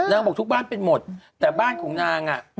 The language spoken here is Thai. บอกทุกบ้านเป็นหมดแต่บ้านของนางอ่ะ